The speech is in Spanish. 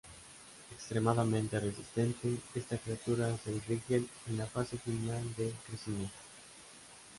Extremadamente resistente, esta criatura es el Rigel en la fase final de crecimiento.